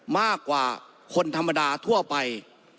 มากกว่าคนธรรมดาทั่วไป